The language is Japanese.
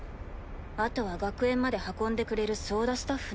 あとは学園まで運んでくれる操舵スタッフね。